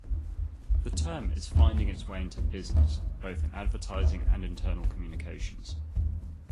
The term is finding its way into business, both in advertising and internal communications.